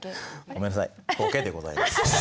ごめんなさいボケでございます。